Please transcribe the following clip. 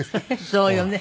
そうよね。